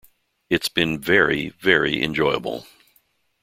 It's been very, very enjoyable.